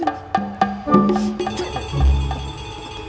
gue tekanan batin